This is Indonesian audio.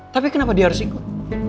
tapi kenapa dia harus ikut